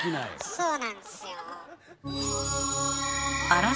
そうなんですよ。